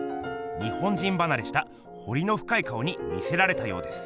日本人ばなれしたほりのふかい顔に魅せられたようです。